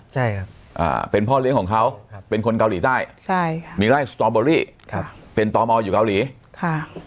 ใช่ครับอ่าเป็นพ่อเลี้ยงของเขาครับเป็นคนเกาหลีใต้ใช่ค่ะมีไล่สตอเบอรี่ครับเป็นต่อมออยู่เกาหลีค่ะ